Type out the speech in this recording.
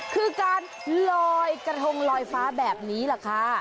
คือการลอยกระทงลอยฟ้าแบบนี้แหละค่ะ